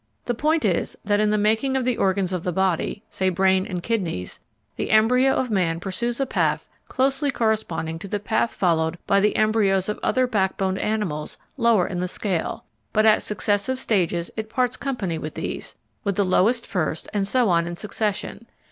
The point is that in the making of the organs of the body, say brain and kidneys, the embryo of man pursues a path closely corresponding to the path followed by the embryos of other backboned animals lower in the scale, but at successive stages it parts company with these, with the lowest first and so on in succession.